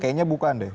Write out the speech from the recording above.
kayaknya bukan deh